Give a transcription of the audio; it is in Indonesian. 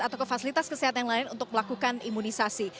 atau ke fasilitas kesehatan lain untuk melakukan imunisasi